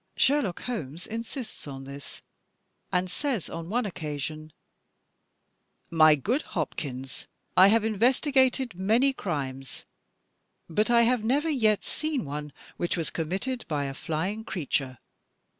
Sherlock Holmes insists on this, and says, on one occasion: " My gocxi Hop^pns, I have investigated many crimes, but I have never yet seen one which was conmiitted by a fl3ring creature.